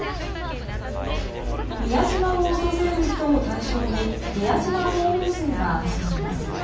宮島を訪れる人を対象に宮島訪問税が始まります。